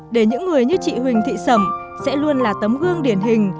để những người như chị huỳnh thị sầm sẽ luôn là tấm gương điển hình